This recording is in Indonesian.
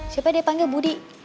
siapa dia panggil budi